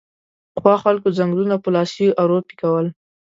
پخوا خلکو ځنګلونه په لاسي ارو پیکول